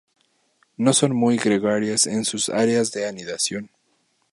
No son muy gregarias en sus áreas de anidación.